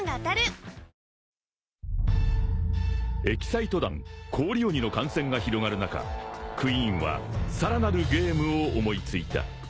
［疫災弾氷鬼の感染が広がる中クイーンはさらなるゲームを思いついた］